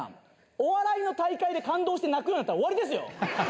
お笑いの大会で感動して泣くようになったら終わりですよ。